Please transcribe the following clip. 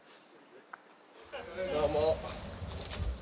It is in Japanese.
どうも。